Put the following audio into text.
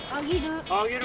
あげる？